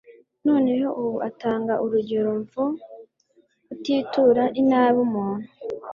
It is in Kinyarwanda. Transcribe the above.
Noneho ubu atanga urugero mvo "kutitura inabi umuntu